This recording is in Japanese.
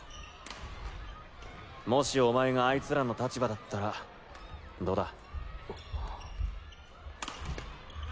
もしお前があいつらの立場だったらどうだ？